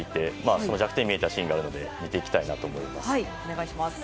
その弱点が見えたシーンがあるので見ていきたいと思います。